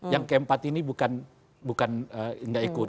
yang keempat ini bukan tidak ikut